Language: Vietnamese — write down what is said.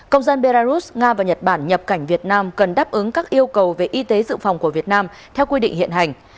công dân belarus nga và nhật bản nhập cảnh việt nam cần đáp ứng các yêu cầu về y tế dự phòng của việt nam theo quy định hiện hành